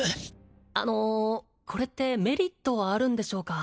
あのこれってメリットはあるんでしょうか？